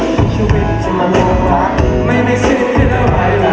ถ้าจะยิ้มออกมาฉันจะเผลอไปทั้งเจ้าที่ได้ทุกเวลา